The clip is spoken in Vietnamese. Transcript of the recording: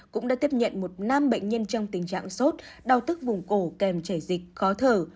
cũng đã tiếp nhận một nam bệnh nhân trong tình trạng sốt đau tức vùng cổ kèm chảy dịch khó thở